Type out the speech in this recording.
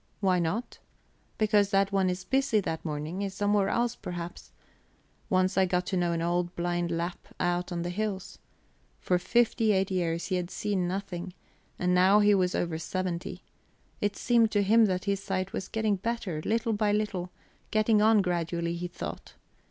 Why not? Because that one is busy that morning is somewhere else, perhaps... Once I got to know an old blind Lapp up in the hills. For fifty eight years he had seen nothing, and now he was over seventy. It seemed to him that his sight was getting better little by little; getting on gradually, he thought.